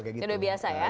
sudah biasa ya